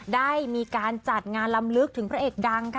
ได้มีการจัดงานลำลึกถึงพระเอกดังค่ะ